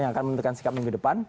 yang akan menentukan sikap minggu depan